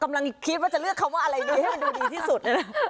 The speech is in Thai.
กำลังคิดว่าจะเลือกคำว่าอะไรดีให้มันดูดีที่สุด